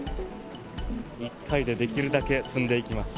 １回でできるだけ積んでいきます。